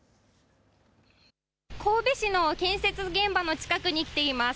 神戸市の建設現場の近くに来ています。